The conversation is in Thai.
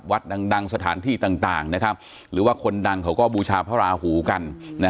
วัดดังสถานที่ต่างหรือว่าคนดังเขาก็บูชาพระราหูกัน